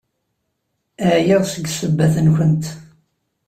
Ɛyiɣ seg ssebbat-nwent!